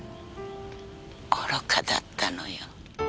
愚かだったのよ。